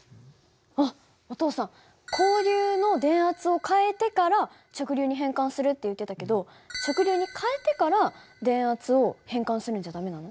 あっお父さん交流の電圧を変えてから直流に変換するって言ってたけど直流に変えてから電圧を変換するんじゃ駄目なの？